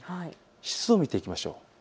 湿度を見ていきましょう。